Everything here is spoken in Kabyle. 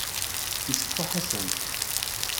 Iceffu Ḥasan.